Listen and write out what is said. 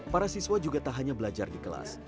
para siswa juga tak hanya belajar di kelas